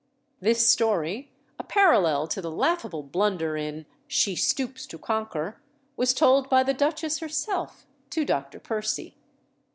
This story, a parallel to the laughable blunder in She Stoops to Conquer, was told by the duchess herself to Dr. Percy.